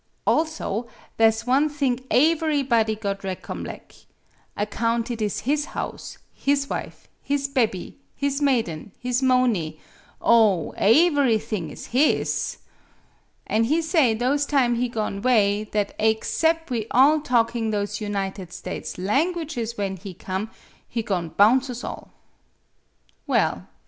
"Also, tha' 's one thing aeverybody got recomleck account it is his house, his wife, his bebby, his maiden, his moaney oh, aeverythmg is his! An' he say, those time he go'n' 'way, that aexcep' we all talking those United States' languages when he come, he go'n' bounce us all. Well!